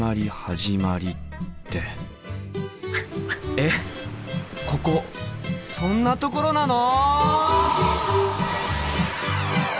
えっここそんなところなの！？